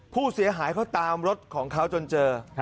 ผู้เสียหายเขาตามรถของเขาจนเจอ